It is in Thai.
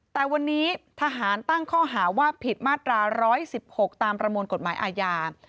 แต่วันนี้ทหารตั้งข้อหาว่าผิดมาตรา๑๑๖ตามประมวลกฎหมายอาญา